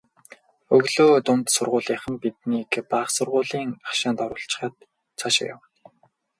Өглөө дунд сургуулийнхан биднийг бага сургуулийн хашаанд оруулчихаад цаашаа явна.